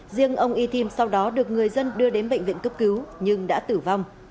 riêng ông y thim sau đó được người dân đưa đến bệnh viện cấp cứu nhưng đã tử vong